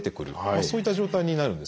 そういった状態になるんですね。